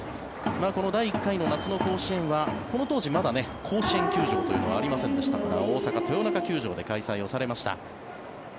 第１回の夏の甲子園はこの当時、まだ甲子園球場というのはありませんでしたから大阪の球場で開催されました。